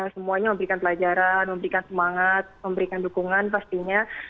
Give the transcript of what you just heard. semuanya memberikan pelajaran memberikan semangat memberikan dukungan pastinya